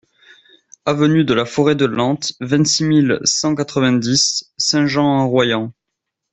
Avenue de la Forêt de Lente, vingt-six mille cent quatre-vingt-dix Saint-Jean-en-Royans